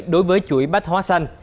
đối với chuỗi bách hóa xanh